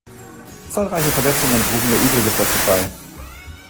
Zahlreiche Verletzungen trugen ihr Übriges dazu bei.